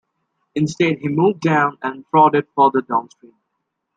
Instead he moved down and forded further downstream.